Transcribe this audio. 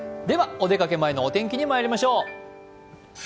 では、お出かけ前のお天気にまいりましょう。